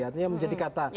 artinya menjadi kata